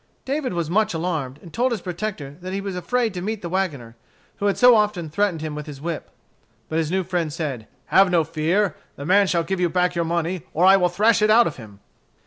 David was much alarmed, and told his protector that he was afraid to meet the wagoner, who had so often threatened him with his whip. But his new friend said, "Have no fear. The man shall give you back your money, or I will thrash it out of him."